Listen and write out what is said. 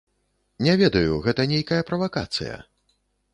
Не ведаю, гэта нейкая правакацыя.